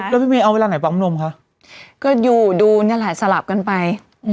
แล้วพี่เมย์เอาเวลาไหนปั๊มนมคะก็อยู่ดูนี่แหละสลับกันไป